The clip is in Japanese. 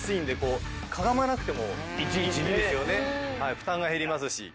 負担が減りますし。